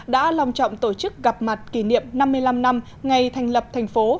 đã lòng trọng tổ chức gặp mặt kỷ niệm năm mươi năm năm ngày thành lập thành phố